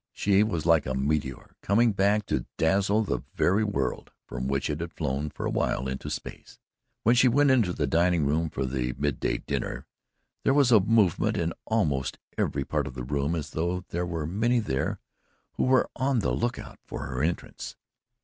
She was like a meteor coming back to dazzle the very world from which it had flown for a while into space. When she went into the dining room for the midday dinner, there was a movement in almost every part of the room as though there were many there who were on the lookout for her entrance.